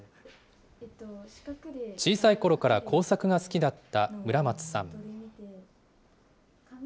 小さいころから工作が好きだった村松さん。